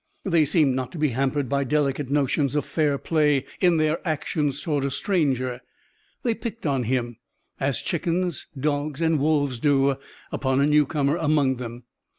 They seemed not to be hampered by delicate notions of fair play in their actions toward a stranger. They "picked on him," as chickens, dogs and wolves do upon a newcomer among them.